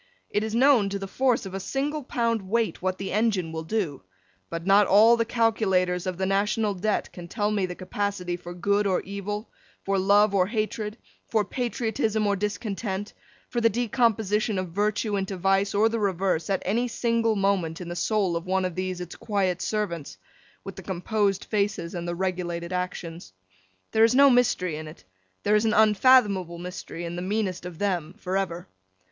It is known, to the force of a single pound weight, what the engine will do; but, not all the calculators of the National Debt can tell me the capacity for good or evil, for love or hatred, for patriotism or discontent, for the decomposition of virtue into vice, or the reverse, at any single moment in the soul of one of these its quiet servants, with the composed faces and the regulated actions. There is no mystery in it; there is an unfathomable mystery in the meanest of them, for ever.